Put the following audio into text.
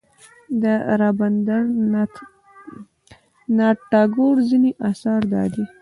د رابندر ناته ټاګور ځینې اثار دادي.